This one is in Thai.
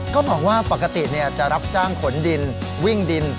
ก็บอกว่าปกติจะรับจ้างขนดินวิ่งดิน